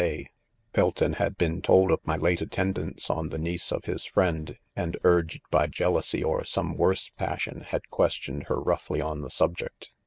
"ay "'Belton had been told of my late attendance ©h the niece of his friend ; and urged by jeal ousy or some 'worse passion, had questioned her roughly on the subject.